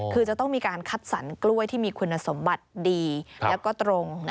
คือจะต้องมีการคัดสรรกล้วยที่มีคุณสมบัติดีแล้วก็ตรง